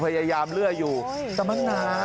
พยายามเลือกอยู่มานะ